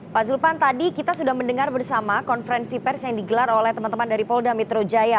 pak zulpan tadi kita sudah mendengar bersama konferensi pers yang digelar oleh teman teman dari polda metro jaya